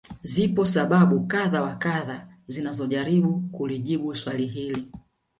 Zipo sababu kadha wa kadha zinazojaribu kulijibu swali hili